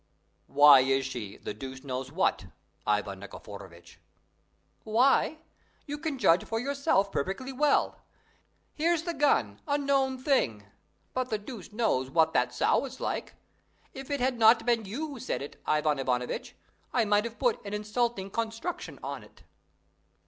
"Why is she 'the deuce knows what,' Ivan Nikiforovitch?" "Why? You can judge for yourself perfectly well; here's the gun, a known thing; but the deuce knows what that sow is like! If it had not been you who said it, Ivan Ivanovitch, I might have put an insulting construction on it."